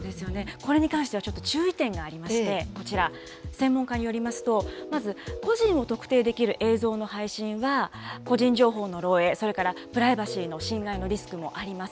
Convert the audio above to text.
これに関してはちょっと注意点がありまして、こちら、専門家によりますと、まず、個人を特定できる映像の配信は、個人情報の漏えい、それからプライバシーの侵害のリスクもあります。